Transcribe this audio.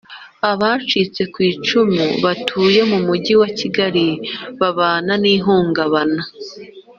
Abacitse ku icumu batuye mu mujyi wa kigali babana n ihungabana